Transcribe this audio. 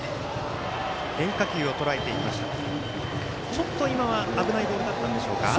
ちょっと今は危ないボールだったんでしょうか。